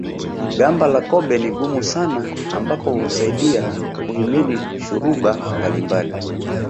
Gamba la kobe ni gumu sana ambapo humsaidia kuhimili shuruba mbalimbali